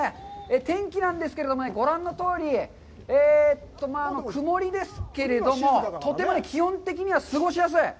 天気なんですけれども、ご覧のとおり、曇りですけれども、とても気温的には過ごしやすい。